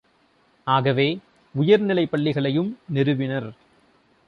ஆகவே, உயர்நிலைப் பள்ளிகளையும் நிறுவினர்.